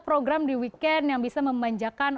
program di weekend yang bisa memanjakan